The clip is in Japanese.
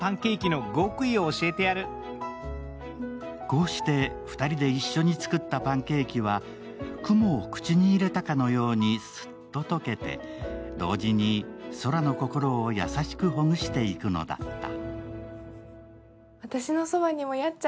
こうして２人で一緒に作ったパンケーキは、雲を口に入れたかのようにスッと溶けて、同時に宙の心を優しくほぐしていくのだった。